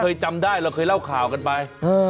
จำได้เราเคยเล่าข่าวกันไป